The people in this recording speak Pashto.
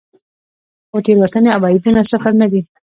خو تېروتنې او عیبونه صفر نه دي.